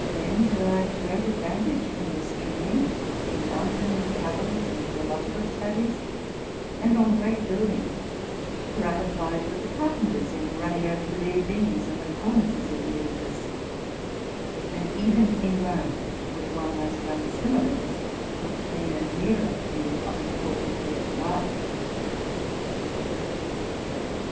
511 then derived great advantage from this training, in moun tain travels and geological studies, and on oreat buildings, where I have vied with the carpenters in running over the bare beams and the cornices of the edifice, and even in Rome, where one must run similar risks to obtain a nearer view of important works of art.